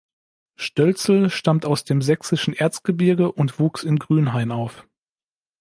Stölzel stammt aus dem sächsischen Erzgebirge und wuchs in Grünhain auf.